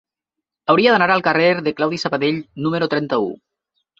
Hauria d'anar al carrer de Claudi Sabadell número trenta-u.